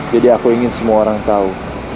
jadi aku ingin semua orang tahu